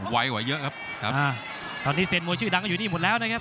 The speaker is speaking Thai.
ไวกว่าเยอะครับครับตอนนี้เซียนมวยชื่อดังก็อยู่นี่หมดแล้วนะครับ